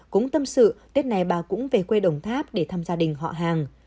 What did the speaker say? cũng tâm sự tết này bà cũng về quê đồng tháp để thăm gia đình họ hàng